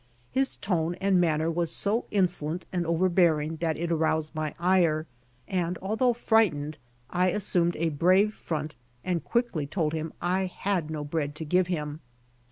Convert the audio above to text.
His tone and manner was so insolent and overbearing that it aroused my ire, and although frightened I assumed a brave front and quickly told him' I had no bread to give him.